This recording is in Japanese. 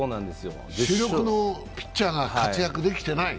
主力のピッチャーが活躍できてない。